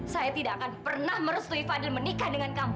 saya tidak akan pernah merestui fadil menikah dengan kamu